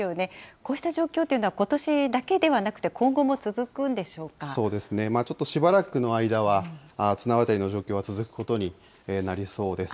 こうした状況っていうのはことしだけではなくて、今後も続くんでそうですね、ちょっとしばらくの間は綱渡りの状況が続くことになりそうです。